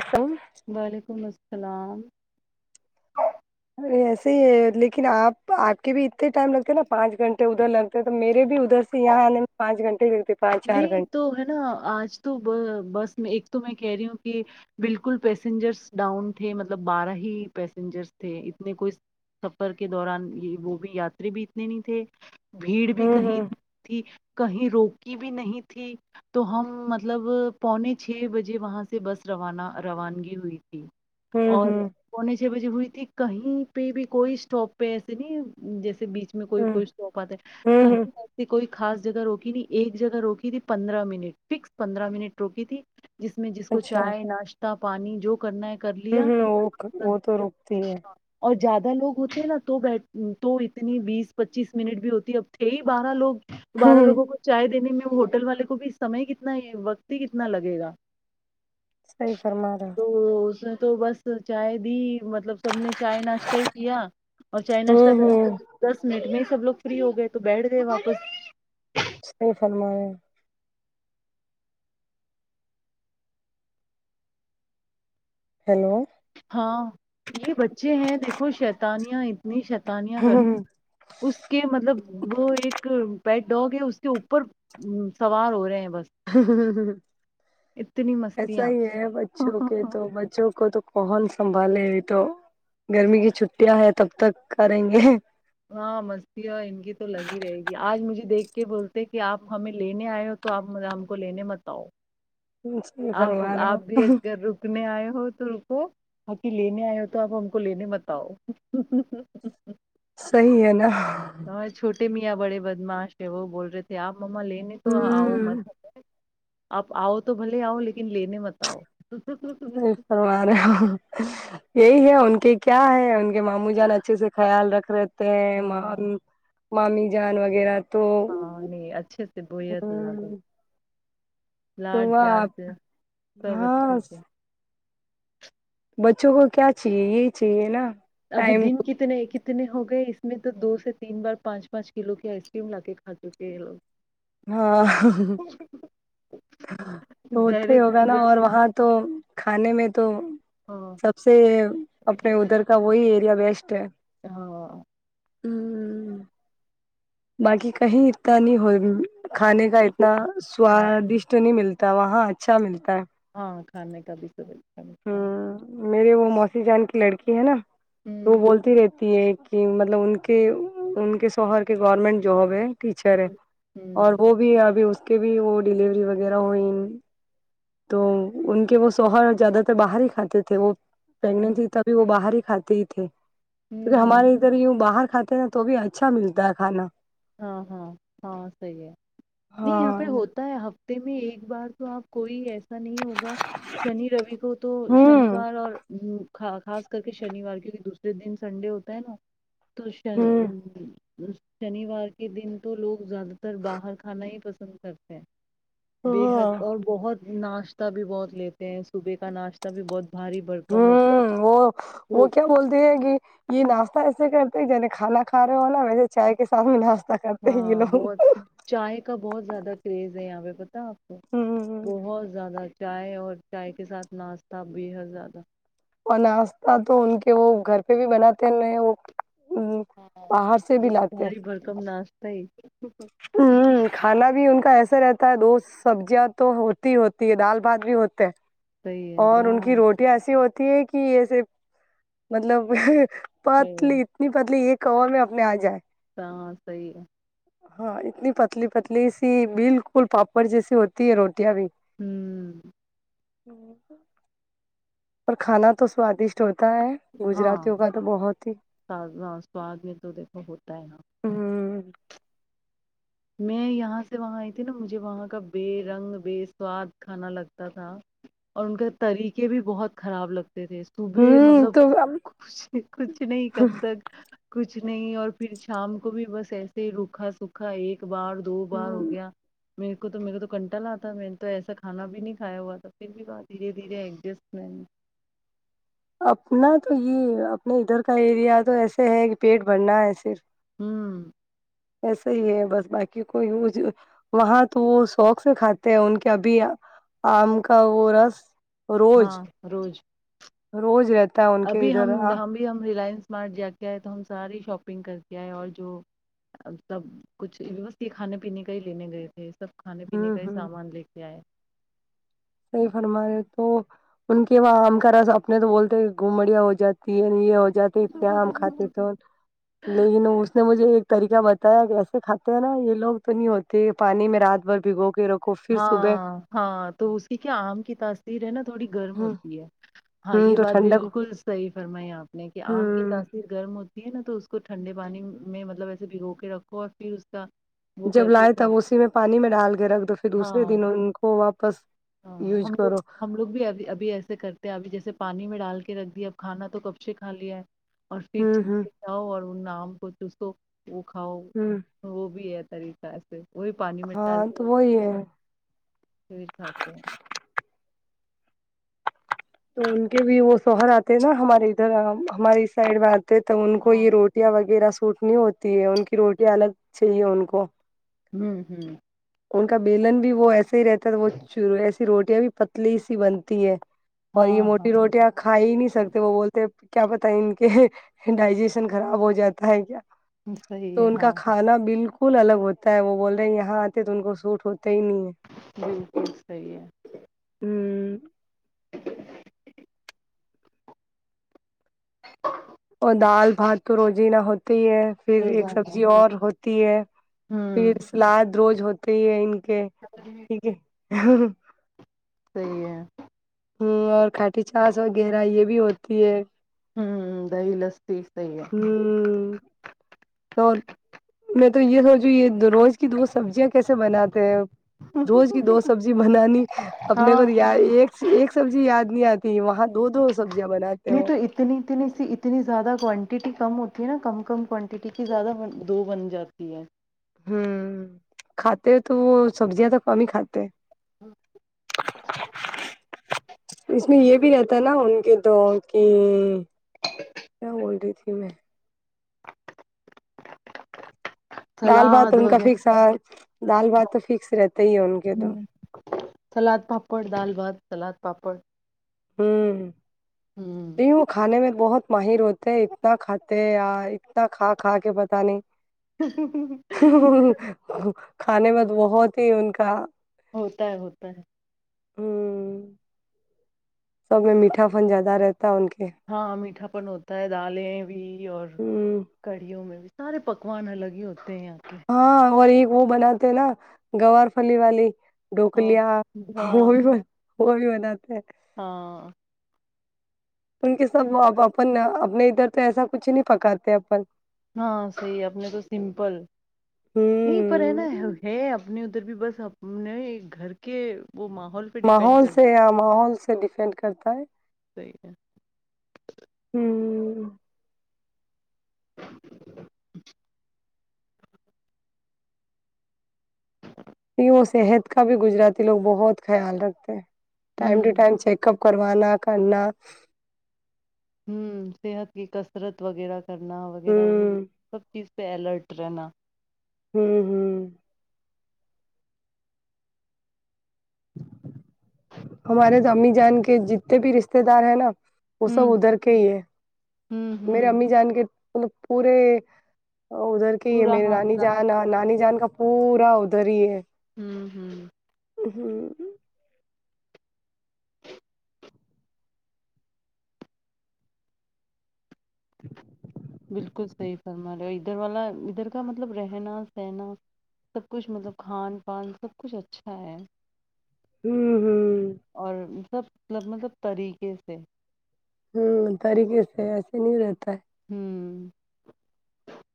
ہچ [inaudible] وعلیکم السلام سلام [inaudible] ایسے ہی ہے لیکن آپ آپ کے بھی اتنے ٹائم لگتے ہیں نا پانچ گھنٹے ادھر لگتے ہیں تو میرے بھی ادھر سے یہاں آنے میں پانچ گھنٹے لگ نہیں تو ہے نا آج تو بس ایک تو میں کہہ رہی ہوں کہ بالکل پیسنجرس ڈاؤن تھے مطلب بارہ ہی پیسینجرس تھے اتنے کوئی سفر کے دوران وہ بھی یاتری بھی اتنے نہیں تھے بھیڑ بھی ہوں کہیں ہوں اتنی تھی کہیں روک کی بھی نہیں تھی تو ہم مطلب پونے چھ بجے وہاں سے بس روانہ روانگی ہوئی ج ہوں اور ہوں پونے چھ بجے ہوئی تھی کہیں پہ بھی کوئی اسٹاپ پہ ایسے نہیں جیسے بیچ میں کوئی ہوں کوئی سوپاتے ہوں ہوں کہیں جیس کوئی خا جگہ روکی نہیں ایک جگہ روکی تھی پندرہ منٹ فکس پندرہ منٹ روکی تھی جس میں جس کو اچھا چائے ناشتہ پانی جو کرنا ہے کر ہوں لیا ہوں وہ وہ تو روکتی ہے اور زیادہ لوگ ہوتے ہیں نا تو بیٹھ تو اتنی بیس پچیس منٹ بھی ہوتی ہے اب تھے ہی بارہ لوگ تو بارہ ہوں لوگوں کو دینے میں ہوٹل والے کو بھی سمے کتنا ہی وقت ہی کتنا لگے گا صحی فرما رہ تو اس نے تو بس چائے دی مطلب سب نے چائے ناشتہ ہی کیا اور چائے ناشہ ہوں ہوں دس منٹ میں سب لوگ فری ہو گئے تو بیٹھ گئے واپس نہیں فرمایا ہیلو ہاں یہ بچے ہیں دیکھو شیتانیاں اتنی شیت انیہ کر اس کے مطلب وہ ایک پیٹ ڈاگ ہے اس کے اوپر سوار ہو رہے ہیں بس ہ ہ اتنی ایسا مستیاں ہی ہے بچوں کے تو بچوں کو تو کون سنبھالے ا تو گرمی کی چھٹیاں ہے تب تک کریں گے ہاں مست ہے ان کی تو لگ ہی رہے گی آج مجھے دیکھ کے بولتے کہ آپ ہمیں لینے آئے ہو تو آپ ہم کو لینے متؤ صحیح آپ فرما رہے آپ بھی ہو اگر رکنے آئے ہو تو تو باقی لینے آئے ہو تو آپ ہم کو لینے بتاؤ صحی ہے نا میاں بڑے بدماش ہے وہ بول رہے تھے آپ ما لےنے تو آ ہوں مز ہے [inaudible] آپ آؤ تو بھلے آؤ لیکن لینے مت آؤ نہیں پرو رہے [inaudible] یہی ہے ان کے کیا ہے ان کے ماموں جان اچھے سے خیال رکھ رہے تھ ہاں تو [inaudible] مامی جان وغیرہ تو ہاں نہیں اچھے سے بویا تو زیادہ ہوں تو لاڈ وہ پیار آپ سے سب اچھے ہاں سے بچوں کو کیا چاہیے یہی چاہیے نا ابھی ٹائم دن کتنے کتنے ہو گئے اس میں تو دو سے تین بار پانچ پانچ کلو کی آئس کریم لا کے کھا چکے ہیں لوگ ہاں وہ تو ہی ڈائریکٹ ہوگا نا پورا اور وہاں تو کھانے میں تو ہاں سب سے اپنے ادھر کا وہی ہے بیسٹ ہے ہاں ہوں بقعی کہیں نہیں ہو کھانے کا اتنا ہاں سوادشٹ نہیں ملتا تب وہاں اچھا ملتا [unintelligible] ہاں کھانے کا بھی س اچھا [inaudible] ہ میرے وہ موسی جان کی لڑکی ہے نا تو وہ ہوں بولتی رہتی ہے کہ مطلب ان کے ان کے شوہر کہ گورنمنٹ جابب ہے ٹیچر ہے اور ہوں وہ بھی ابھی اس کے بھی وہ ڈیلیوری وغیرہ ہوئ [unintelligible] تو ان کے وہ سوہر زیادہ تر باہر ہی کھاتے تھے وہ پگنٹ ہوں تھی وہ باہر ہی کھاتے ہی تھے ہوں کیکہ ہوں ہمارے ادھر یوں باہر کھاتے نا تو بھی اچھا ملتا ہے کھانا ہاں ہاں ہاں صحی ہے نہیں یہاں ہاں پہ ہوتا ہے میں ایک بار تو آپ کوئی ایسا نہیں ہوگا شنی روی کو تو ہ شنیوار اور خاص کر کے شنیوار کیونکہ دوسرے دن سنڈے ہوتا ہے نا توشن ہ ا شنی ار کے دن تو لوگ زد تر باہر کانا ہی پ پسند کرتے ہیں ہاں بےحد اور بہت ناشتہ بھی بہت لیتے ہیں صبح کا ناشتہ بھی بہت بھاری بھرکم ہو ہوں وہ وہ تو کیا بولتے ہیں کہ یہ ناس ایسے کرتے جے کھا کا رہے ہو نا ویسے چائے کے سھ م ہاں بہت چائے کا بہت زیادہ کریز ہے یہاں پہ بتاپ بہت زیادہچ چائے اور چائے کے ساتھ ناشتہ بھی ہے زیادہ اور ناشہ تو ان کے وہ گھر پہ بھی بناتے ہیں ان وہ ہاں باہر بہت بھاری بڑکمنا صی ہ کھانا بھی ان کا ایسا ایا رہتا ہے دو سبزیاں تو ہوتی ہی ہوتی ہے دال بھات بھی ہوتے ہیں صحیح ہے اور ان کی دال روٹییا ایسی ہوتی کہ ایسے مطلب صحیح ہے پتلی اتنی پتلی ایک کوا میں اپنے آ جائے ہاں صحیح ہے ہاں اتنی پتلی پتلی سی بالکل پاپڑ جیسی ہوتی ہے روٹیاں بھی [unintelligible] ہوں [unintelligible] ج تو [unintelligible] پر کھان تو ساادشٹ ہو ہاں تازہ سواد میں تو دیکھو ہوتا ہے ہاں ہوں میں یہاں سے وہاں آئی تھی نا مجھے وہاں کا بے رنگ بے سواد کھانا لگتا تھا اور ان کے طریقے بھی بہت خراب لگتا ے صبح ہوں مطلب تو کچھ کچھ نہیں کب تک کچھ نہیں اور پھر شام کو بھی بس ایسے ہی روکھا سکھا ایک بار دو بار ہو گیا میرے کو تو میرے کو تو کنٹا لا تھا میں نے تو ایسا کھانا بھی نہیں کایا ہوا تھا پھر بھی وہ دھیرے دھیرے ایڈجسٹ میں نے اپنا تو یہ اپنے ادھر کا ایریا تو ایسے ہے کہ پیٹ بھرنا ہے صرف ہوں ایسا ہی ہے بس باقی کوئی وہاں تو وہ شوق سے کھاتے ہیں ان کے ابھی آم کا وہ رس روز ہاں روز روز رہتی ابھی ہم ہم بھی ہم ریلائنس اسمارٹ جا کے آئے تو ہم ساریے شاپنگ کر کے آئے اور جو سب کچھ ووست کھانے پینے کا ہی لینے گئے تھے سب کھانے پینے ہوں کا ہی ہوں سامان لے کے آئے صحیح فرما رہے تو ان کے وہاں ہم کا راس اپنے تو بولتے ہیں گھوم بڑیا ہو جاتا یہ ہو جاتے اتنے آم کھاتے آئے تھ لیکن اس نے مجھے ایک طریقہ بتایا کیسے کھاتے ہیں نا یہ لوگ تو نہیں ہوتے پانی میں رات بھر بھگو کے لوگ ہاں ہاں تو اسی کہ آم کی تاثیر ہے نا تھوڑی گرم ہوتی ہے ہاں ہوں یہ تو بات ٹھنڈک بالکل صحیح فرمائی آپ نے کہ آم کی ہوں تاثیر گرم ہوتی ہے نا تو اس کو ٹھنڈے پانی میں مطلب وسے بگو کے رکھو اور پھر اس کا وہ جب کر کے لائے کا تب اسی میں پانی میں ڈال کے رکھ دو دوسرے ہاں دن ان کو واپس ہاں یوز ہم لوگ کرو ہم لوگ بھی اب ابھی ایسے کرتے ہیں ابھی جیسے پانی میں ڈال کے رکھ دیا اب کھانا تو کب سے کھا لیا اور پھر ہوں ہوں جؤ اور نام کو تو سو وہ کھاؤ ہوں وہ بھی ہے طریق سے وہی پانی م ڈال ہاں تو وہی ہے کے پ ھاک تو ان کے بھی وہ شوہر آتے ہیں نا ہمارے ادھر ہماری سائڈ میں آ تو ان کو ہاں یہ روٹیاں وغیرہ چوٹنی ہوتی ہے ان کی روٹی الگ چاہیے ان کو ھمم ھممم ان کا بیلن بھی وہ ایسا سی رہتا وچ رو روٹیاں بھی پتلی سی بنتی ہے اور یہ ہاں ہاں موٹی روٹیاں کھا ہی نہیں سکتے وہ بولتے کیا پت ہے ان کے ڈائجیشن خراب ہو جاتا ہے کیا صحیح تو ہے ان کا ہاں کھانا بالکل پل الگ ہوتا ہے وہ بول رہے ہیں یہاں آتے تو ان کو سوٹ ہو بالکل صی ہے [inaudible] [inaudible] اور دال بھات تو روز ہی نہ ہوتی ہو ہے پھر ایک روزانہ سبزی اور ہوتی ہے پھر ہوں سلاد دروج ہوتے ہی ان ٹھیک ہے صحی ہے ہوں اور کٹی چاس وغیرہ یہ بھی ہوتی ہے ہوں دہ لس صی صحیح ہے ہوں تو میں تو یہ سوچوں یہ روز کی دو سبزیاں کیسے بناتے ہیں روز کی دو سبزی بنانی اپنے کو ہاں تو یا ایک سبزی یاد نہیں آتی فی مت نہیں تو اتنی اتنی سی اتنی زیادہ کوانٹی کم ہوتی ہے نا کم کم کوانٹٹی کی زیادہ دو بن جاتی ہے ہوں کھاتے ہو تو وہ سبزیاں تو کم ہی کھاتے ہیں اس میں یہ بھی رہتا نا ان کے تو کہ ہاں وہد کی میں دال بات سلاد ان کا وغیرہ فکس دال بات تو فکس رہتے ہی ہے ان کے تو ہوں سلاد پاپڑ دال بھات سلاد پاپڑ ھمم ہوں نہیں وہ کھانے میں بہت ماہر ہوتے اتنا کھاتے اتنا کھا کھا کے پت نہیں ہ کھانے میں تو بہت ہی ان کا ہوتا ہے ہوتا ہے [unintelligible] ہ سب میں میٹھا فن زیادہ رہتا [unintelligible] ہاں میٹھا پن ہوتا ہے دالیں بھی اور ہ کڑیوں میں بھی [unintelligible] سارے پکوان الگ ہی ہوتے [inaudible] تے ہیں آ کہ [inaudible] ہاں اور ایک وہ بناتے ہیں نا گوار پھلی والی [unintelligible] ڈوکل ہاں وہ ہاں بھی وہ بھی بن تھا [unintelligible] ٹھ [inaudible] ہاں [inaudible] ان کے سب وہ ا اپن اپنے ادھر تو ایسا کچھ نہیں پکاتے اپن [unintelligible] ہاں صحی اپنے تو سمپل نہیں پر ہے نا ہوں ہے اپنے [unintelligible] ادھر بھی بس اپنے گھر کے [unintelligible] پہ ڈیپینڈ ماحول سے کرتا یا ماحول سے ڈیپینڈ کرتا ہے ہے [unintelligible] ہ یوں صحت کا بھی گجراتی لوگ بہت خیال رکھتے ہیں [unintelligible] ٹائم ہوں ٹو ٹم چیک اپ [unintelligible] کروانا کرنا [inaudible] ہوں صحت کی کثرت وغیرہ [unintelligible] کرنا ہ وغیرہ وہ سب چیز [unintelligible] پہ اللرٹ رہنا [inaudible] ہوں ہوں [inaudible] ہمارے تومی جان کے جتنے بھی رشتے دار ہیں نا [unintelligible] وہ سب ہوں ادھر کے ہی ہے ہوں میرے ہوں امی جان کے [unintelligible] م پورے [inaudible] ادھر کے یہ پورا میرے ہاں نانی زیادہ جان کچھ نہیں. نانی جان کا پورا ادھر [unintelligible] دریے [inaudible] ہوں ہوں [inaudible] ہاں [inaudible] ج [inaudible] بالکل صحیح فرما رہے اور ادھر والا ادھر کا مطلب رہنا سہنا سب کچھ مطلب کھان پان سب کچھ اچھا ہے [unintelligible] ہوں ہوں [unintelligible] اور سب ملب مطلب طریقے سے [inaudible] ہوں طریقے سے ایسے نہیں رہتا ہے [unintelligible] ہوں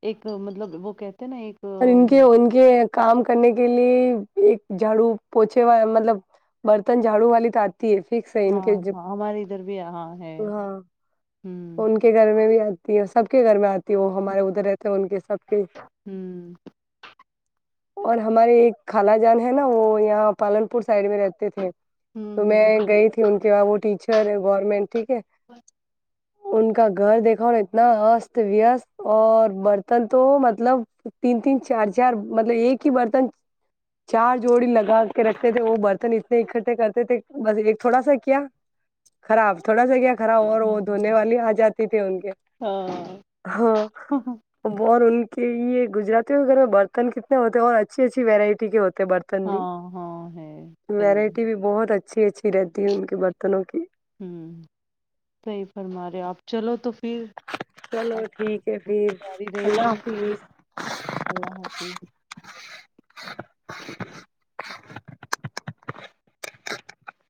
ایک مطلب وہ کہتے [unintelligible] اور ان کے ان کے کام کرنے کے لیے [unintelligible] ایک جھاڑو پوچھے وال مطلب برتن جھاڑو والی تھا [inaudible] فکس ہے ان ہاں کے ہاں ہمارے ادھر بھی ہاں ہے ہاں ہوں ان کے گھر میں بھی [inaudible] تی ہے سب کے گھر میں آتی وہ ہمارے ادھر رہتے ہیں ان کے حساب کے [inaudible] ہوں اور ہماراری خالا جان ہے نا وہ یہاں پالن پ سائڈ میں رہتے تھے ہوں تو میں گئی تھی ان [unintelligible] جا وہ ٹیچر ہے گورنمنٹ [unintelligible] ٹھیک ہے [unintelligible] ان کا گھر دیکھاؤ نا اتنا است وست اور برتن تو مطلب تین تین چار چار مطلب ایک ہی برتن چار جوڑی لگا کے رکھتے تھے وہ برتن اتنے اکٹھے کرتے تھے بس ایک تھوڑا سا کیا خراب تھوڑا سا کیا [unintelligible] خراب اور وہ ہوں دھونے والی آ جاتی [unintelligible] ت تے ہاں [unintelligible] ہاں ا اور ان [unintelligible] کہ یہ [unintelligible] گجاتی کے گھر میں برتن کتنے ہوتے اور اچھی اچھی وورائٹی کے ہوتے برتن بھی ہاں ہاں ہے صحیح ہے ورائٹی بھی بہت اچھی [unintelligible] اچھی اچھی رہتی ہے ان کے برتنوں کی ہ صحیح فرما رہے آپ چلو تو پھر چلو آپ کی ٹھیک ہے پھر جاری رہے اللہ گی حافظ اللہ حافظ [unintelligible] [inaudible]